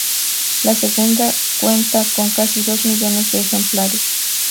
La segunda cuenta con casi dos millones de ejemplares.